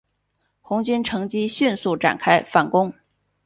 红军乘机迅速展开反攻。